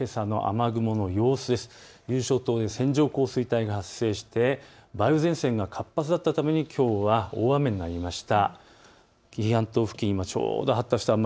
伊豆諸島で線状降水帯が発生して梅雨前線が活発だったためにきょうは大雨になりました。